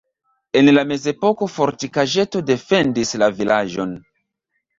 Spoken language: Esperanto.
En la mezepoko fortikaĵeto defendis la vilaĝon.